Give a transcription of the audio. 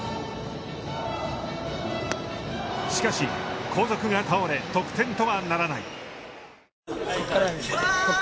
しかし、後続が倒れ、得点とはならない。